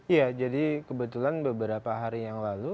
ya jadi kebetulan beberapa hari yang lalu